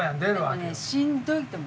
でもねしんどいと思う。